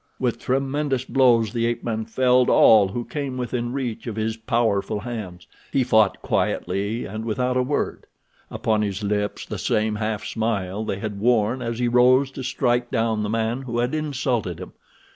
With tremendous blows the ape man felled all who came within reach of his powerful hands. He fought quietly and without a word, upon his lips the same half smile they had worn as he rose to strike down the man who had insulted him.